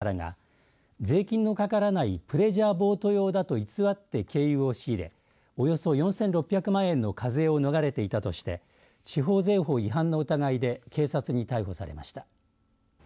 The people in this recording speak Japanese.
奈良県橿原市でトラックの燃料に使う軽油を販売している業者らが税金のかからないプレジャーボート用だと偽って軽油を仕入れおよそ４６００万円の課税を逃れていたとして地方税法違反の疑いで警察に逮捕されました。